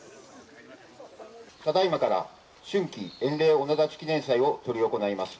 ただいまから春季塩嶺御野立記念祭を執り行います。